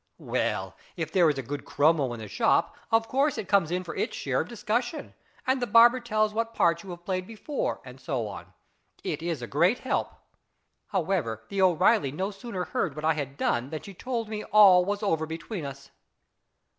Well, if there is a good chromo in the shop, of course it comes in for its share of discussion, and the barber tells what parts you have played before, and so on. It is a great help. However, the O'Eeilly no sooner heard what I had done than she told me all was over between us."